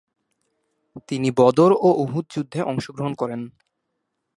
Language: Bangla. তিনি বদর ও উহুদ যুদ্ধে অংশগ্রহণ করেন।